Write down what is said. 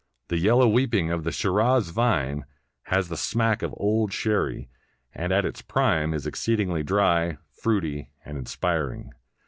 "The yellow weeping of the Shiraz vine " has the smack of old sherry, and at its prime is exceedingly dry, fruity, and inspiring.